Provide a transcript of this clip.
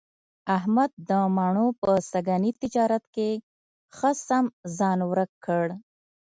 احمد د مڼو په سږني تجارت کې ښه سم ځان ورک کړ.